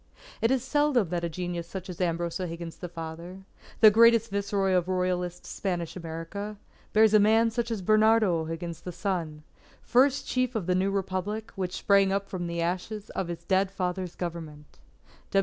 It is seldom that a genius such as Ambrose O'Higgins the father, the greatest Viceroy of royalist Spanish America, bears a man such as Bernardo O'Higgins the son, first chief of the new Republic which sprang up from the ashes of his dead father's Government.